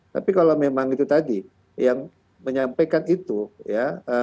tapi kalau memang itu tadi yang menyampaikan itu ya